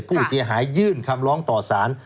ผู้เสียหายยื่นคำร้องต่อสาร